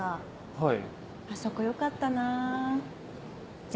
はい。